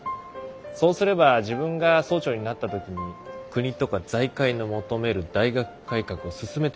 そうすれば自分が総長になった時に国とか財界の求める大学改革を進めていけるから。